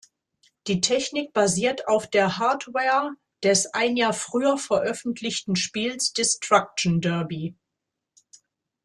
Die Technik basiert auf der Hardware des ein Jahr früher veröffentlichten Spiels Destruction Derby.